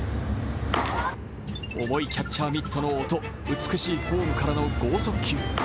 重いキャッチャーミットの音、美しいフォームからの剛速球。